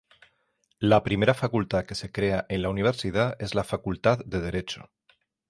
La primera Facultad que se crea en la Universidad es la Facultad de Derecho.